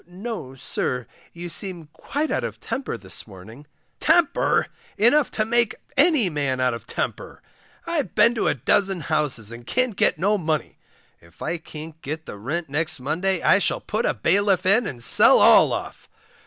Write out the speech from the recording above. No, sir, you seem quite out of temper this morning. Temper! enough to make any man out of temper. I've been to a dozen houses, and can't get no money. If I can't get the rent next Monday I shall put a bailiff in and sell all off.